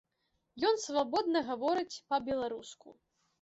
Ён свабодна гаворыць па-беларуску.